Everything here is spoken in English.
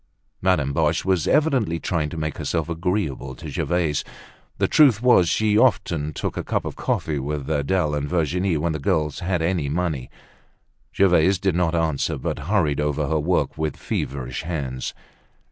Madame Boche was evidently trying to make herself agreeable to Gervaise. The truth was she often took a cup of coffee with Adele and Virginia, when the girls had any money. Gervaise did not answer, but hurried over her work with feverish hands.